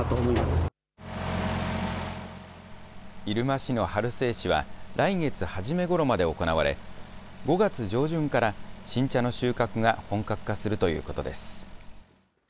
入間市の春整枝は来月初めごろまで行われ、５月上旬から新茶の収穫が本格化するということです。